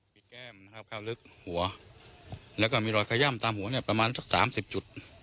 มีแก้มนะครับเข้าลึกหัวแล้วก็มีรอยขย่ำตามหัวเนี่ยประมาณสักสามสิบจุด